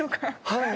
はい。